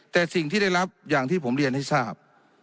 แต่สิ่งที่ได้รับอย่างที่ผมเรียนให้ทราบ